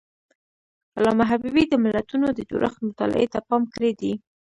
علامه حبيبي د ملتونو د جوړښت مطالعې ته پام کړی دی.